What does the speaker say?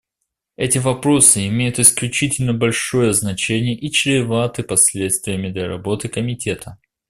Эти вопросы имеют исключительно большое значение и чреваты последствиями для работы Комитета.